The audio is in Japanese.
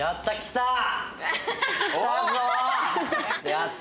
やった！